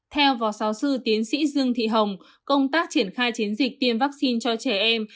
theo phó giáo sư tiến sĩ dương thị hồng công tác triển khai chiến dịch tiêm vaccine cho trẻ em